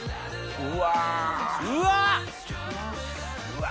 うわ！